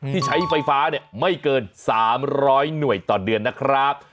ที่ใช้ไฟฟ้าไม่เกิน๓๐๐หน่วยต่อเดือนนะครับ